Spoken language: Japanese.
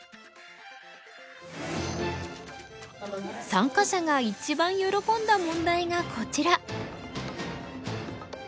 参加者が一番喜んだ問題がこちら。